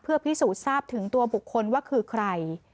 เพื่อพิสูจน์ทราบถึงตัวบุคคลว่าคือใคร